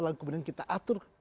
lalu kemudian kita atur